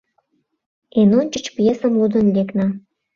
Эн ончыч пьесым лудын лекна.